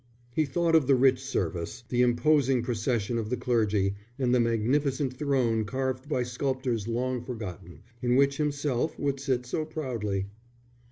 He thought of the rich service, the imposing procession of the clergy, and the magnificent throne carved by sculptors long forgotten, in which himself would sit so proudly.